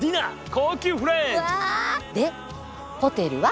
でホテルは？